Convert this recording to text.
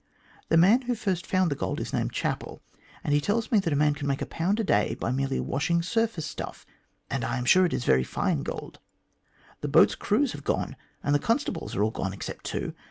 The man who first found the gold is named Chapel, and he tells me that a man can make 1 a day by merely washing surface stuff, and I am sure it is very fine gold. The boats' crews have gone, and the constables are all gone except two.